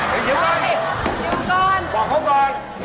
ขอบพระออกก่อน